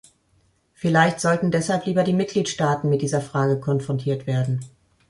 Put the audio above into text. Vielleicht sollten deshalb lieber die Mitgliedstaaten mit dieser Frage konfrontiert werden.